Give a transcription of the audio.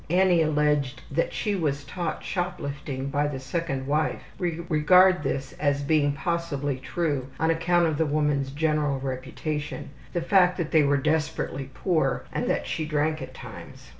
Annie alleged she was taught shop lifting by the second wife we regard this as being possibly true on account of the woman's general reputation, the fact that they were desperately poor, and that she drank at times.